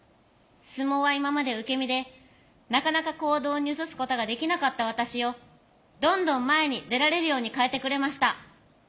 相撲は今まで受け身でなかなか行動に移すことができなかった私をどんどん前に出られるように変えてくれました。